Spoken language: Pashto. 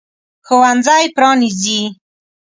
ښوونځی پرانیزي.